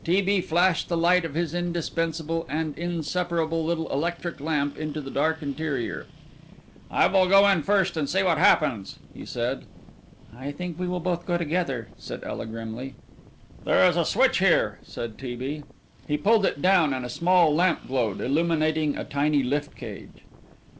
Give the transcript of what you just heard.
T. B. flashed the light of his indispensable and inseparable little electric lamp into the dark interior. "I will go in first and see what happens," he said. "I think we will both go together," said Ela grimly. "There is a switch here," said T. B. He pulled it down and a small lamp glowed, illuminating a tiny lift cage.